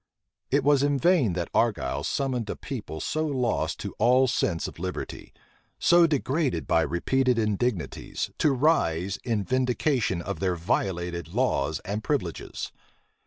It was in vain that Argyle summoned a people so lost to all sense of liberty, so degraded by repeated indignities, to rise in vindication of their violated laws and privileges.